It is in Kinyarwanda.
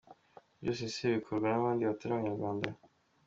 Ibi byose se bikorwa n'abandi batari abanyarwanda.